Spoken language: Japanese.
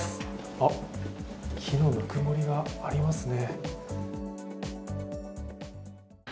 あっ、木のぬくもりがありますね。